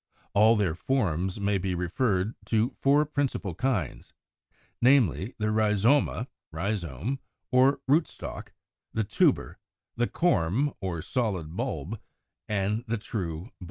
All their forms may be referred to four principal kinds: namely, the Rhizoma (Rhizome) or Rootstock, the Tuber, the Corm or solid bulb, and the true Bulb.